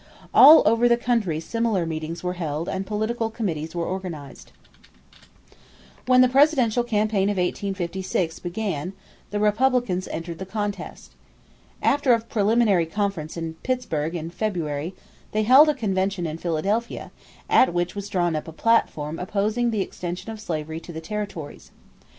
All over the country similar meetings were held and political committees were organized. When the presidential campaign of 1856 began the Republicans entered the contest. After a preliminary conference in Pittsburgh in February, they held a convention in Philadelphia at which was drawn up a platform opposing the extension of slavery to the territories.